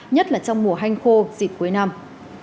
nhất là trong mùa hanh khô dịp cuối năm